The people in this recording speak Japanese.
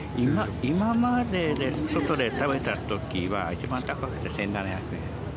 今まで外で食べたときは、一番高くて１７００円。